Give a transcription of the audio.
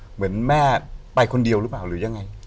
เหมือนแม่ไปคนเดียวหรือเปล่าหรือยังไง